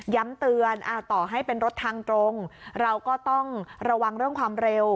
เตือนต่อให้เป็นรถทางตรงเราก็ต้องระวังเรื่องความเร็ว